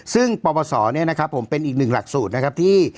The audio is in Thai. ซึ่งปปศเนี่ยนะครับผมเป็นอีกหนึ่งหลักสูตรนะครับที่